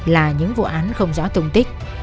là những vụ án không rõ thông tích